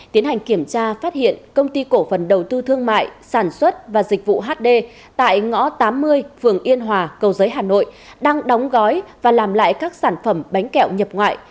tiến hành kiểm tra phát hiện công ty cổ phần đầu tư thương mại sản xuất và dịch vụ hd tại ngõ tám mươi phường yên hòa cầu giấy hà nội đang đóng gói và làm lại các sản phẩm bánh kẹo nhập ngoại